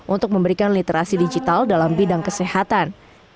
untuk memberikan literasi digital dalam bidang kesehatan